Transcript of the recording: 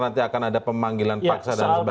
nanti akan ada pemanggilan paksa dan sebagainya